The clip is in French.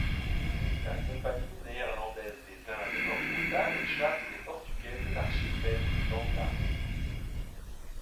La Compagnie néerlandaise des Indes orientales chasse les Portugais de l'archipel de Banda.